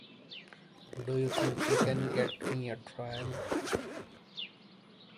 Do you think you can get me a trial?